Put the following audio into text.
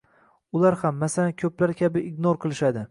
Ular ham, masalan, ko‘plar kabi ignor qilishsa